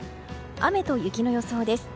雨と雪の予想です。